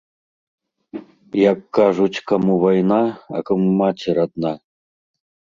Як кажуць, каму вайна, а каму маці радна.